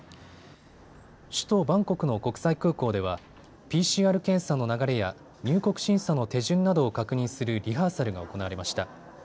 首都バンコクの国際空港ではＰＣＲ検査の流れや入国審査の手順などを確認するリハーサルが行われました。